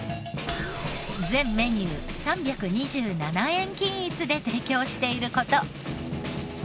全メニュー３２７円均一で提供している事。